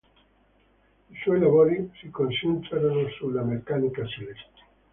I suoi lavori si concentrarono sulla meccanica celeste.